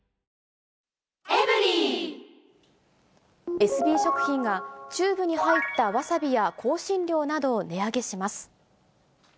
エスビー食品が、チューブに入ったわさびや香辛料などを値上げします。